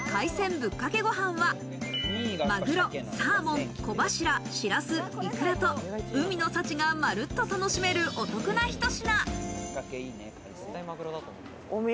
ぶっかけごはんは、マグロ、サーモン、小柱、しらす、イクラと海の幸がまるっと楽しめる、お得なひと品。